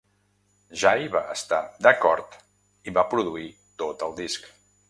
Jay va estar d'acord i va produir tot el disc.